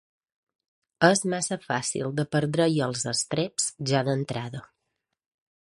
És massa fàcil de perdre-hi els estreps ja d'entrada.